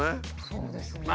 そうですね。